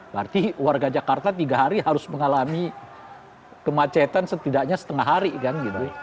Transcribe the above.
berarti warga jakarta tiga hari harus mengalami kemacetan setidaknya setengah hari kan gitu